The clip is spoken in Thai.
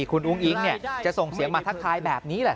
คุณอุ้งอิ๊งจะส่งเสียงมาทักทายแบบนี้แหละ